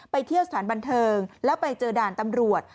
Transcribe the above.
เที่ยวสถานบันเทิงแล้วไปเจอด่านตำรวจ